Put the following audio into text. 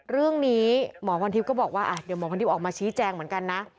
เรื่องนี้หมอพรทิพย์ก็บอกว่าเดี๋ยวหมอพรทิพย์ออกมาชี้แจงเหมือนกันนะ